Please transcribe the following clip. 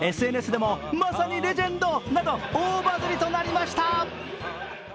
ＳＮＳも、まさにレジェンドなど大バズリとなりました。